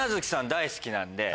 大好きなんで。